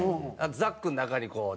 ザックの中にこう